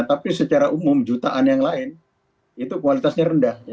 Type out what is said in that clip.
tapi secara umum jutaan yang lain itu kualitasnya rendah